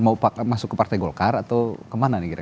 mau masuk ke partai golkar atau kemana nih kira kira